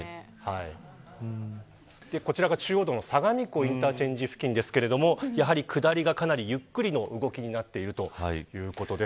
こちらが中央道の相模湖インターチェンジ付近ですがやはり下りが、かなりゆっくりの動きになっているということです。